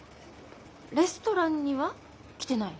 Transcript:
レストランには来てない。